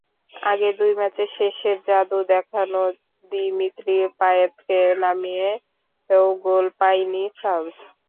আগের দুই ম্যাচে শেষের জাদু দেখানো দিমিত্রি পায়েতকে নামিয়েও গোল পায়নি ফ্রান্স।